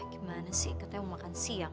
gimana sih katanya mau makan siang